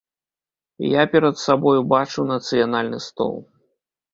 Я перад сабою бачу нацыянальны стол.